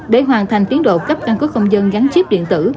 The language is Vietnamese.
để hoàn thành tiến độ cấp căn cức công dân gắn chiếc điện tử